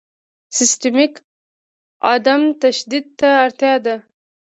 سیستماتیک عدم تشدد ته اړتیا ده.